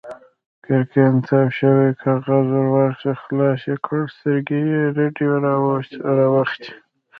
ګرګين تاو شوی کاغذ ور واخيست، خلاص يې کړ، سترګې يې رډې راوختې.